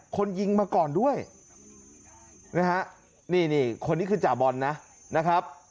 คนยิงมาก่อนด้วยนะฮะนี่นี่คนนี้คือจ่าบอลนะนะครับ